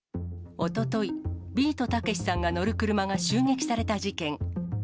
おととい、ビートたけしさんが乗る車が襲撃された事件。